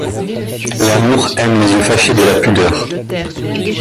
L'amour aime les yeux fâchés de la pudeur